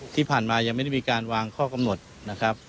ที่ผ่านมายังไม่ได้มีการวางข้อกำหนดนะครับ